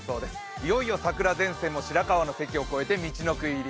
いよいよ桜前線も白河の関を越えてみちのく入り。